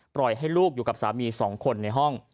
ปล่อยให้ลูกอยู่กับสามี๒คนในห้อง